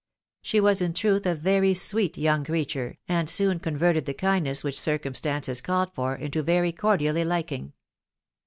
She was in truth a very sweet young creature, and soon converted the kindness which circumstances called for into very cordial liking.